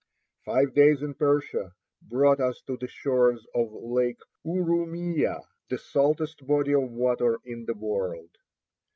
Five days in Persia brought us to the shores of Lake Ooroomeeyah, the saltest body of water in the world.